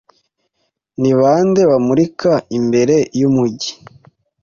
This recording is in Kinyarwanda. Ni bande bamurika imbere y'umujyi